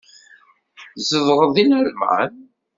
Tzedɣeḍ deg Lalman?